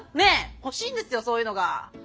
欲しいんですよそういうのが。